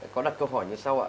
có đặt câu hỏi như sau ạ